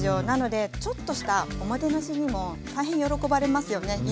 なのでちょっとしたおもてなしにも大変喜ばれますよね。